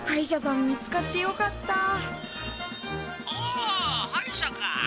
☎お歯医者か。